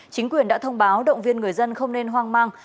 chính quyền đã thông báo động viên người dân không nên hoang mang